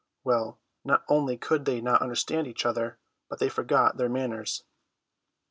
Well, not only could they not understand each other, but they forgot their manners.